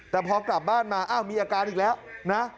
แต่พอกลับบ้านมาอ้าวมีอาการอีกแล้วนะ